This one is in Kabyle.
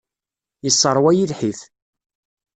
Yesseṛwa-iyi lḥif.